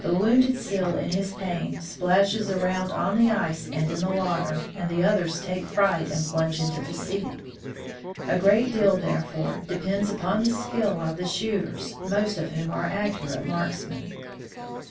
The wounded seal in his pain splashes around on the ice and in the water, and the others take fright and plunge into the sea. A great deal, therefore, depends upon the skill of the shooters, most of whom are accurate marksmen.